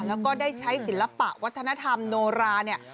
แล้วก็ได้ใช้ศิลปะวัฒนธรรมโนราเนี่ย